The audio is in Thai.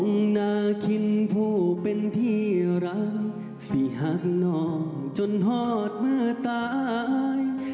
นาคินผู้เป็นที่รักสิหักน้องจนทอดเมื่อตาย